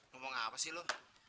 lu mau ngapasih lu